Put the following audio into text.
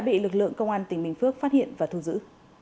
bị lực lượng công an tỉnh bình phước phát hiện và thu giữ